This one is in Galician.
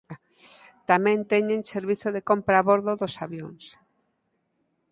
Tamén teñen servizo de compra a bordo dos avións.